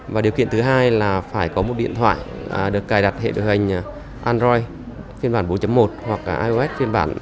và điều kiện thứ hai là phải có một điện thoại được cài đặt hệ điều hành android phiên bản bốn một hoặc ios phiên bản